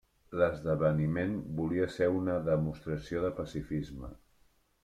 L'esdeveniment volia ser una demostració de pacifisme.